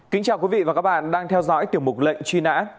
kính chào quý vị và các bạn đang theo dõi tiểu mục lệnh truy nã